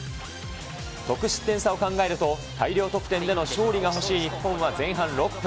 得失点差を考えると大量得点での勝利が欲しい日本は前半６分。